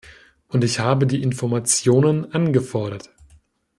Und ich habe die Informationen angefordert.